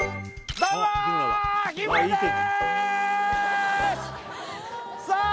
どうも日村ですさあ！